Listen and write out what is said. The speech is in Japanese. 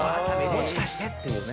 もしかしてっていうね。